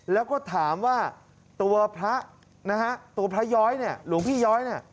แล้วก็ถามว่าตัวพระย้อยหลวงพี่ย้อย